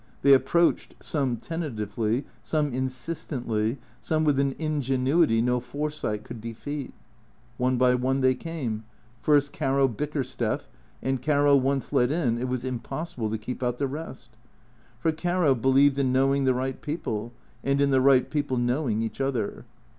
They approached, some tentatively, some insistently, some with an ingenuity no foresight could defeat. One by one they came. First Caro Bickersteth, and Caro once let in, it was impossible to keep out the rest. For Caro believed in knowing the right people, and in the right people knowing each other.